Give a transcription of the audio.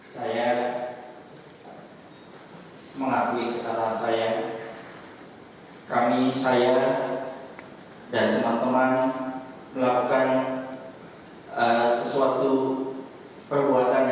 saya salah saya melakukan salah dan menyesal atas semua perbuatan saya